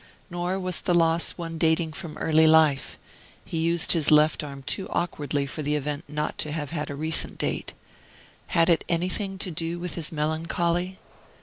Nor was the loss one dating from early life: he used his left arm too awkwardly for the event not to have had a recent date. Had it anything to do with his melancholy?